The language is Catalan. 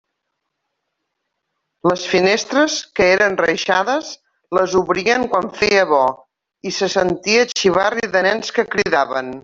Les finestres, que eren reixades, les obrien quan feia bo, i se sentia xivarri de nens que cridaven.